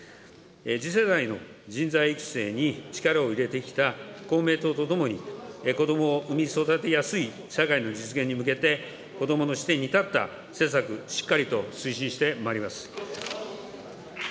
次世代の人材育成に力を入れてきた公明党と共に、子どもを産み育てやすい社会の実現に向けて、子どもの視点に立った施策、しっかりと推進してまいります。